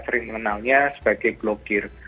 sering mengenalnya sebagai blokir